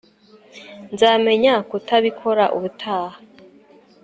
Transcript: nzamenya kutabikora ubutaha